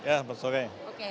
ya selamat sore